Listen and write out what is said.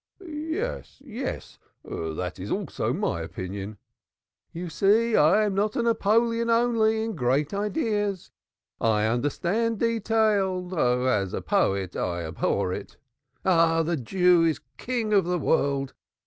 "Yes, yes. That is also my opinion." "You see I am not a Napoleon only in great ideas. I understand detail, though as a poet I abhor it. Ah, the Jew is king of the world.